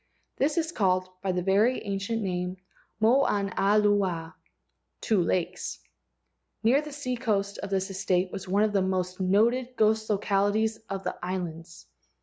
This is called by the very ancient name Moanalua (two lakes). Near the seacoast of this estate was one of the most noted ghost localities of the islands.